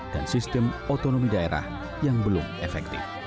dan sistem otonomi daerah yang belum efektif